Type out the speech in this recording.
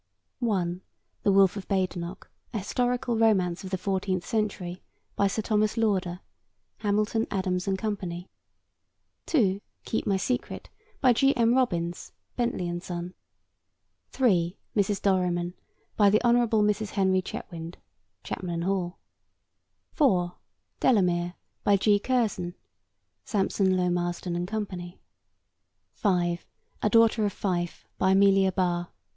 (1) The Wolfe of Badenoch: A Historical Romance of the Fourteenth Century. By Sir Thomas Lauder. (Hamilton, Adams and Co.) (2) Keep My Secret. By G. M. Robins. (Bentley and Son.) (3) Mrs. Dorriman. By the Hon. Mrs. Henry Chetwynd. (Chapman and Hall.) (4) Delamere. By G. Curzon. (Sampson Low, Marston and Co.) (5) A Daughter of Fife. By Amelia Barr.